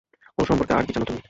ওঁর সম্পর্কে আর কী জান তুমি?